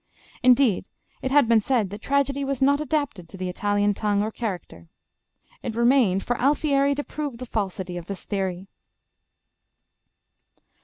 Indeed, it had been said that tragedy was not adapted to the Italian tongue or character. It remained for Alfieri to prove the falsity of this theory.